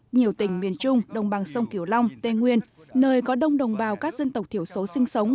nhiều tỉnh miền trung đồng bằng sông kiểu long tây nguyên nơi có đông đồng bào các dân tộc thiểu số sinh sống